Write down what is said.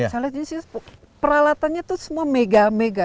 saya lihat justru peralatannya itu semua mega mega